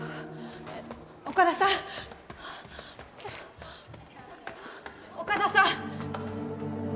岡田さん岡田さん！